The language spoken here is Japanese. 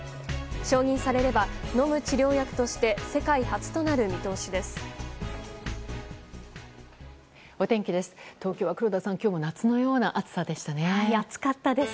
承認されれば飲む治療薬として世界初となる見通しです。